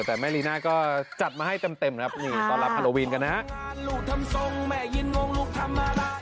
แต่แม่รีน่าก็จัดมาให้เต็มเต็มครับนี่ตอนรับฮาโลวีนกันนะฮะ